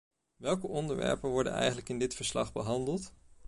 Welke onderwerpen worden eigenlijk in dit verslag behandeld?